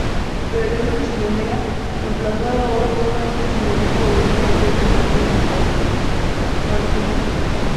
Perdió su chimenea, reemplazada hoy por una vieja chimenea proveniente de demoliciones parisinas.